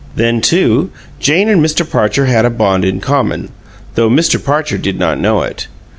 Then, too, Jane and Mr. Parcher had a bond in common, though Mr. Parcher did not know it.